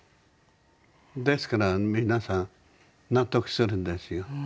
ですから皆さん納得するんですよ。